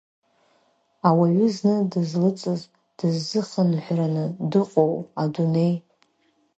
Ауаҩы зны дызлыҵыз, дыззыхынҳәраны дыҟоу адунеи.